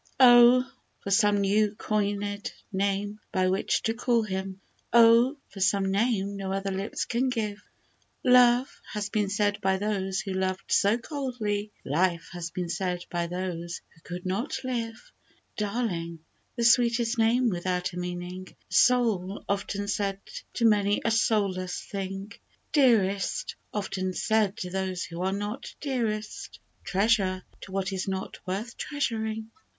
OH ! for some new coin*d name by which to call him! Oh ! for some name no other lips can give !" Love " has been said by those who loved so coldly, " Life " has been said by those who could not live/ " Darling," the sweetest name without a meaning, " Soul," often said to many a soulless thing, " Dearest," oft said to those who are not dearest, " Treasure," to what is not worth treasuring